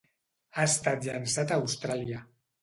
Ha estat llançat a Austràlia.